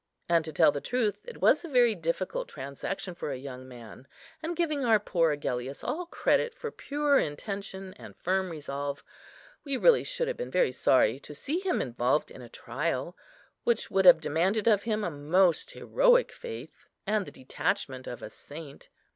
And, to tell the truth, it was a very difficult transaction for a young man; and giving our poor Agellius all credit for pure intention and firm resolve, we really should have been very sorry to see him involved in a trial, which would have demanded of him a most heroic faith and the detachment of a saint.